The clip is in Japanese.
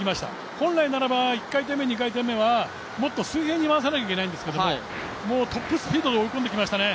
本来ならば１回転目、２回転目はもっと水平に回さないといけないんですがトップスピードで追い込んできましたね。